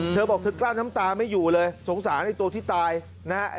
เธอบอกเธอกลั้นน้ำตาไม่อยู่เลยสงสารไอ้ตัวที่ตายนะฮะ